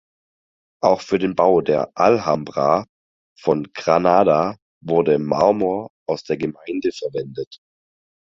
Auch für den Bau der Alhambra von Granada wurde Marmor aus der Gemeinde verwendet.